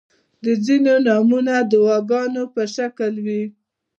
• ځینې نومونه د دعاګانو په شکل دي.